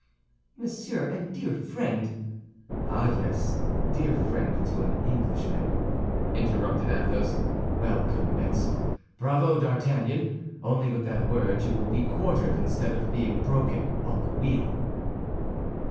"Monsieur and dear friend—" "Ah, yes! Dear friend to an Englishman," interrupted Athos; "well commenced! Bravo, D'Artagnan! Only with that word you would be quartered instead of being broken on the wheel."